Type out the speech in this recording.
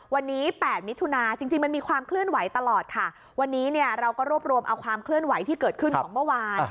วันนี้๘มิถุนาจริงมันมีความเคลื่อนไหวตลอดค่ะวันนี้เนี่ยเราก็รวบรวมเอาความเคลื่อนไหวที่เกิดขึ้นของเมื่อวาน